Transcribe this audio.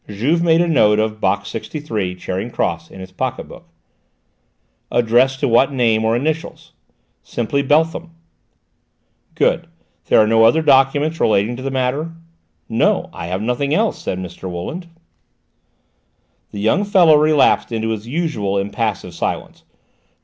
Juve made a note of Box 63, Charing Cross in his pocket book. "Addressed to what name or initials?" "Simply Beltham." "Good. There are no other documents relating to the matter?" "No, I have nothing else," said Mr. Wooland. The young fellow relapsed into his usual impassive silence.